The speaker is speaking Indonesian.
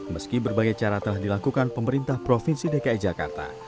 meski berbagai cara telah dilakukan pemerintah provinsi dki jakarta